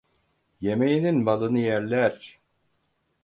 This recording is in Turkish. Yemeyenin malını yerler.